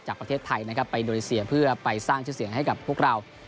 จากประเทศไทยไปโดยเสียเพื่อไปสร้างชื่อเสียงให้กับพวกเรา